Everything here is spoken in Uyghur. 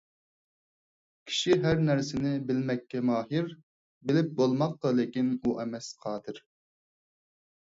كىشى ھەر نەرسىنى بىلمەككە ماھىر. بىلىپ بولماققا لىكىن ئۇ ئەمەس قادىر.